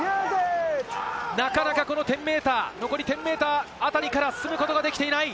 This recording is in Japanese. なかなかこの１０ｍ、残りの１０ｍあたりから進むことができていない。